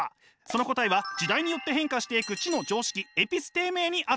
その答えは時代によって変化していく知の常識エピステーメーにあったんです。